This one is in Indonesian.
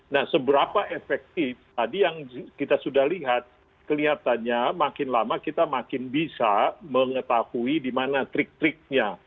nah seberapa efektif tadi yang kita sudah lihat kelihatannya makin lama kita makin bisa mengetahui di mana trik triknya